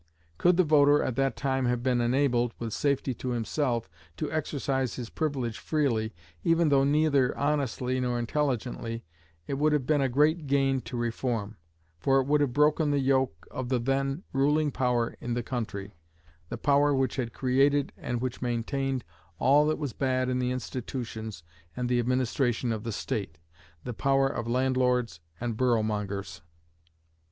Could the voter at that time have been enabled, with safety to himself, to exercise his privilege freely, even though neither honestly nor intelligently, it would have been a great gain to reform, for it would have broken the yoke of the then ruling power in the country the power which had created and which maintained all that was bad in the institutions and the administration of the state the power of landlords and boroughmongers.